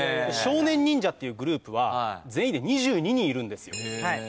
少年忍者っていうグループは全員で２２人いるんですよ。